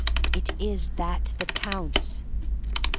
It is that that counts.